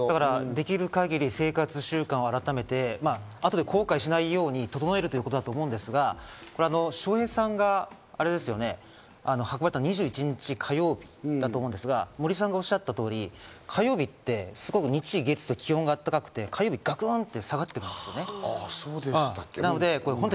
できるだけ生活習慣を改めて、あとで後悔しないようにということだと思うんですが、笑瓶さんが運ばれたのが２１日火曜日だと思うんですが、森さんがおっしゃった通り、火曜日って日、月と気温が高くて、火曜日にガクンと下がってくる。